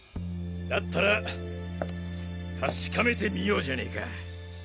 だったら確かめてみようじゃねか。